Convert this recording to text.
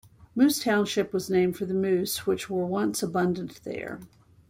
Moose Township was named for the moose which were once abundant there.